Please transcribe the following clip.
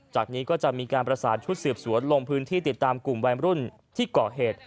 จากนี้ก็จะมีการประสานชุดสืบสวนลงพื้นที่ติดตามกลุ่มวัยรุ่นที่ก่อเหตุ